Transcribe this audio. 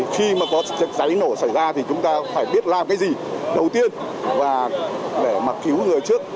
khi mà có cháy nổ xảy ra thì chúng ta phải biết làm cái gì đầu tiên và để mà cứu người trước